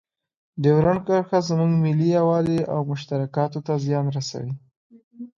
ډیورنډ کرښه زموږ ملي یووالي او مشترکاتو ته زیان رسوي.